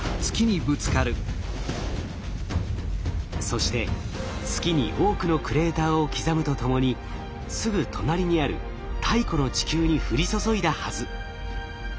そして月に多くのクレーターを刻むとともにすぐ隣にある太古の地球に降り注いだはず。